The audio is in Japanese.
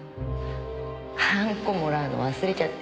ハンコもらうの忘れちゃって。